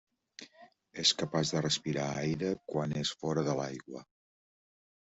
És capaç de respirar aire quan és fora de l'aigua.